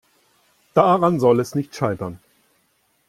Daran soll es nicht scheitern.